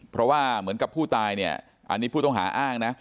เพราะว่าเหมือนกับผู้ตายเนี่ยอันนี้ผู้ต้องหาอ้างนะ